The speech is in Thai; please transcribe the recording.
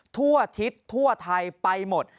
ทั่วอาทิตย์ทั่วไทยไปหมด